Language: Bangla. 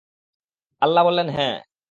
আল্লাহ বললেন, হ্যাঁ।